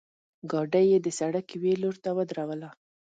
ګاډۍ یې د سړک یوې لورته ودروله.